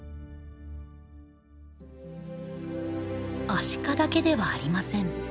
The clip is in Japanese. アシカだけではありません。